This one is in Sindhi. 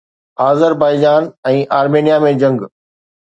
آذربائيجان ۽ آرمينيا ۾ جنگ